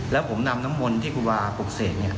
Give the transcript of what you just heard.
แล้วผมนำน้ำมนต์ที่คุณวาปลูกเสก